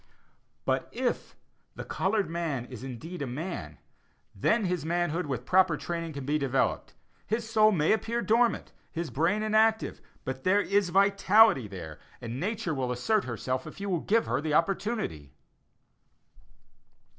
But if the colored man is indeed a man, then his manhood with proper training can be developed. His soul may appear dormant, his brain inactive, but there is a vitality there; and Nature will assert herself if you will give her the opportunity.